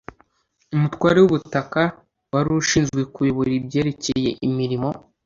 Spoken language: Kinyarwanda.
umutware w'ubutaka" wari ushinzwe kuyobora ibyerekeye imirimo